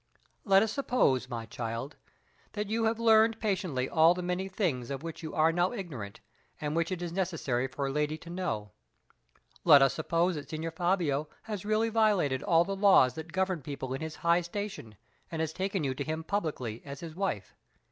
Let us suppose, my child, that you have learned patiently all the many things of which you are now ignorant, and which it is necessary for a lady to know. Let us suppose that Signor Fabio has really violated all the laws that govern people in his high station and has taken you to him publicly as his wife.